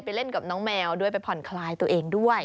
เล่นกับน้องแมวด้วยไปผ่อนคลายตัวเองด้วย